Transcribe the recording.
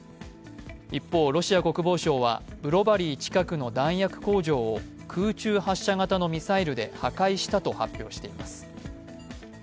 一方、ロシア国防省はブロバリー近くの弾薬工場を空中発射型のミサイルで破壊したと発表しています。